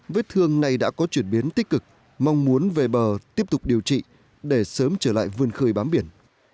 vết thương này đã có chuyển biến tích cực mong muốn về bờ tiếp tục điều trị để sớm trở lại vươn khơi bám biển